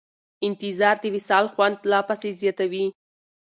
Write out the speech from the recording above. انتظار د وصال خوند لا پسې زیاتوي.